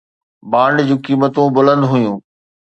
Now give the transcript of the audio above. bond جون قيمتون بلند هيون